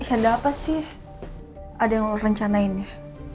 ada apa sih ada yang lo rencanain ya